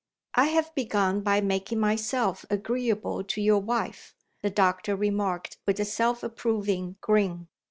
"I have begun by making myself agreeable to your wife," the doctor remarked with a self approving grin.